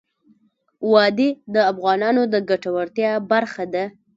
وادي د افغانانو د ګټورتیا برخه ده.